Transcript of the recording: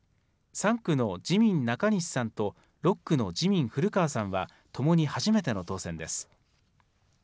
３区の自民、中西さんと６区の自民、古川さんはともに初めての当選です。